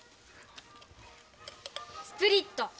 スプリット。